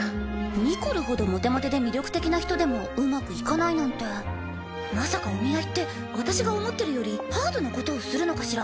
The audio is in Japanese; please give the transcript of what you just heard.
ニコルほどモテモテで魅力的な人でもまさかお見合いって私が思ってるよりハードなことをするのかしら？